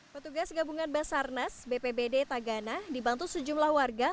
petugas gabungan basarnas bpbd tagana dibantu sejumlah warga